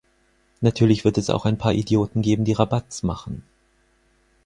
Natürlich wird es auch ein paar Idioten geben, die Rabatz machen.